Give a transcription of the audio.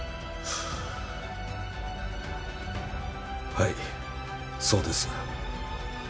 はいそうです。